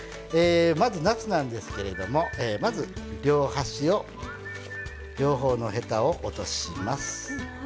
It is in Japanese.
まずなすなんですけれどもまず両端を両方のヘタを落とします。